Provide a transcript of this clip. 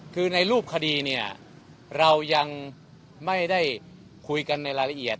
คือในรูปคดีเนี่ยเรายังไม่ได้คุยกันในรายละเอียด